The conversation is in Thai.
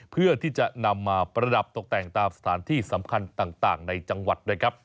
เพื่อที่จะนำมาประดับตกแต่งตามสถานที่สำคัญต่างในจังหวัดด้วยครับ